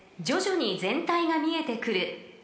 ［徐々に全体が見えてくる］